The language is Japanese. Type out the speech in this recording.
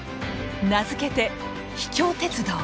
名付けて「秘境鉄道」。